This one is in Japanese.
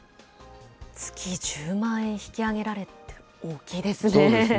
月１０万円引き上げられるって、大きいですね。